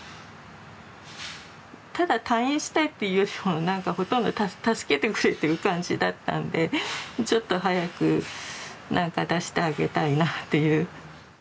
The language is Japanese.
ただ退院したいっていうよりも何かほとんど助けてくれという感じだったんでちょっと早く何か出してあげたいなという。